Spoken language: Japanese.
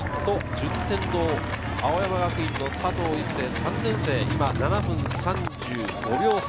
青山学院大学と順天堂、青山学院の佐藤一世・３年生、今７分３５秒差。